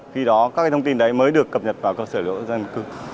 khi đó các cái thông tin đấy mới được cập nhật vào cơ sở dữ liệu dân cư